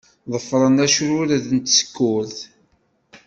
Ḍefṛen acrured n tsekkurt.